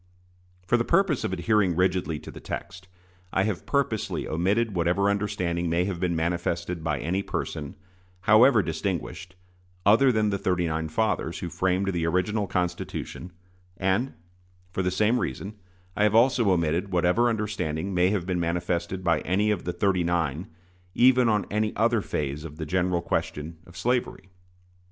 For the purpose of adhering rigidly to the text, I have purposely omitted whatever understanding may have been manifested by any person, however distinguished, other than the thirty nine fathers, who framed the original Constitution; and, for the same reason, I have also omitted whatever understanding may have been manifested by any of the "thirty nine" even on any other phase of the general question of slavery.